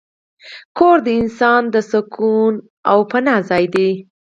کور د انسان د سکون او پناه ځای دی.